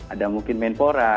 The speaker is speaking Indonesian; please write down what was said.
ada mungkin menpora